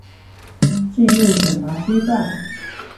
進入選拔階段